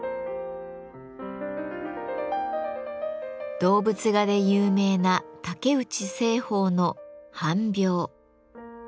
動物画で有名な竹内栖鳳の「班猫」。